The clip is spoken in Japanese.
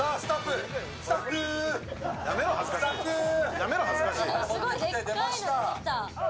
やめろ、恥ずかしい。